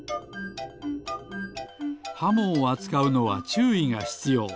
ハモをあつかうのはちゅういがひつよう。